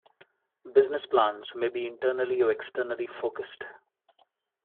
Business plans may be internally or externally focused.